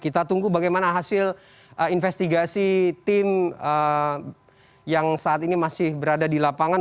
kita tunggu bagaimana hasil investigasi tim yang saat ini masih berada di lapangan